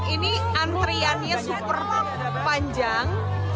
ini antriannya super panjang